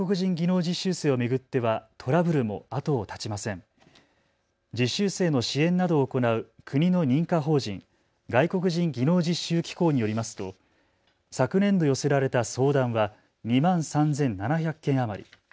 実習生の支援などを行う国の認可法人外国人技能実習機構によりますと昨年度寄せられたた相談は２万３７００件余り。